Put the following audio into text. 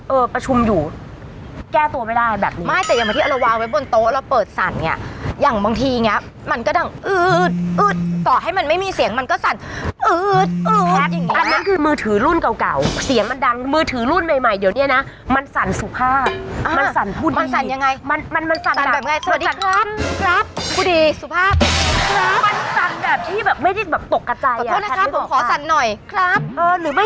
เออประชุมอยู่แก้ตัวไม่ได้แบบนี้ไม่แต่อย่างเมื่อที่เราวางไว้บนโต๊ะเราเปิดสั่นไง